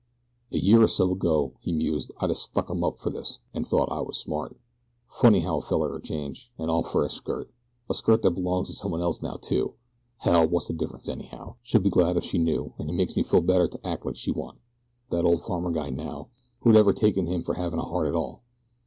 "A year or so ago," he mused, "I'd a stuck 'em up fer this, an' thought I was smart. Funny how a feller'll change an' all fer a skirt. A skirt that belongs to somebody else now, too. Hell! what's the difference, anyhow? She'd be glad if she knew, an' it makes me feel better to act like she'd want. That old farmer guy, now. Who'd ever have taken him fer havin' a heart at all?